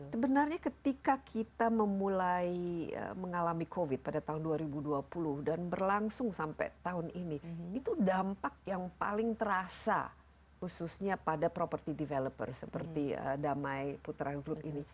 sebenarnya ketika kita memulai mengalami covid pada tahun dua ribu dua puluh dan berlangsung sampai tahun ini itu dampak yang paling terasa khususnya pada property developer seperti damai putra group ini